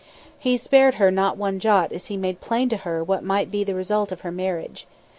He spared her not one jot as he made plain to her what might be the result of her marriage.